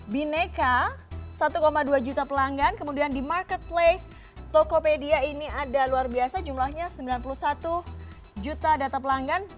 bineka satu dua juta pelanggan kemudian di marketplace tokopedia ini ada luar biasa jumlahnya sembilan puluh satu juta data pelanggan